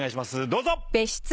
どうぞ。